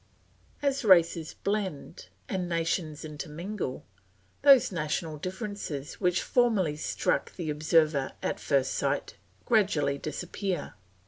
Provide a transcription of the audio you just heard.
As races blend and nations intermingle, those national differences which formerly struck the observer at first sight gradually disappear.